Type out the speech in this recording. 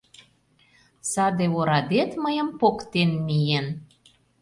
Саде орадет мыйым поктен миен...